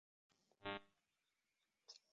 আজ্ঞা, না মহারাজ!